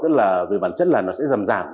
tức là về bản chất là nó sẽ giảm giảm